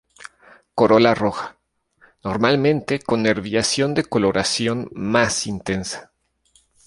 Corola roja, normalmente con nerviación de coloración más intensa.